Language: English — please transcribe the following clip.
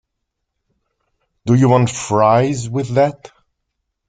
Do you want fries with that?